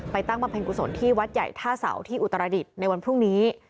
ตั้งบำเพ็ญกุศลที่วัดใหญ่ท่าเสาที่อุตรดิษฐ์ในวันพรุ่งนี้